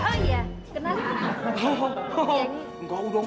oh iya kenalin